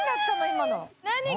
今の。